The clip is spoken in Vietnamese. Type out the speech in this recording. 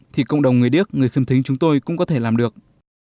thì cộng đồng người điếc người khiếm thính chúng tôi cũng có thể làm được